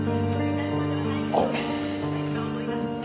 あっ。